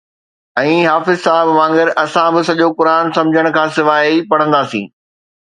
۽ حافظ صاحب وانگر اسان به سڄو قرآن سمجھڻ کان سواءِ ئي پڙهنداسين